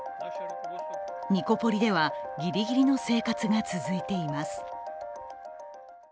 ニコポリではぎりぎりの生活が続いています。